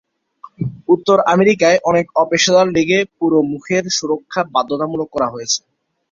উত্তর আমেরিকায় অনেক অপেশাদার লীগে পুরো মুখের সুরক্ষা বাধ্যতামূলক করা হয়েছে।